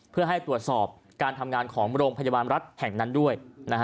เพื่อให้ตรวจสอบการทำงานของโรงพยาบาลรัฐแห่งนั้นด้วย